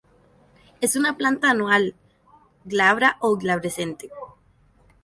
Es una planta anual, glabra o glabrescente.